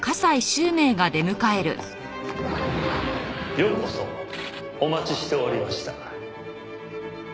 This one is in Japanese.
ようこそお待ちしておりました。